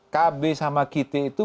kb sama kiti itu